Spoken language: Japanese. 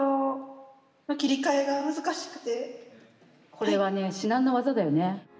これはね至難の業だよね。